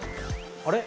あれ？